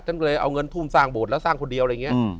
ฉันก็เลยเอาเงินทุ่มสร้างโบสถแล้วสร้างคนเดียวอะไรอย่างนี้